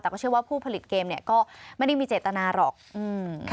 แต่ก็เชื่อว่าผู้ผลิตเกมเนี่ยก็ไม่ได้มีเจตนาหรอก